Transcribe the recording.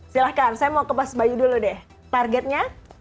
silahkan saya mau ke mas bayu dulu deh targetnya